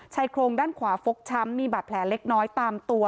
ชายโครงด้านขวาฟกช้ำมีบาดแผลเล็กน้อยตามตัว